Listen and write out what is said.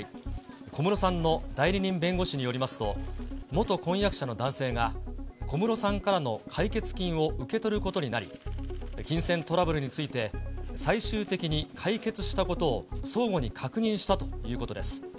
小室さんの代理人弁護士によりますと、元婚約者の男性が、小室さんからの解決金を受け取ることになり、金銭トラブルについて、最終的に解決したことを、相互に確認したということです。